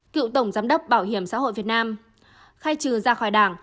cựu tổng giám đốc bảo hiểm xã hội việt nam khai trừ ra khỏi đảng